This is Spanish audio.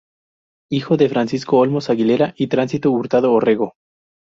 Hijo de Francisco Olmos Aguilera y Tránsito Hurtado Orrego.